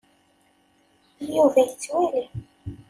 Yuba yettwali.